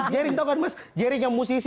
jering tau kan mas jering yang musisi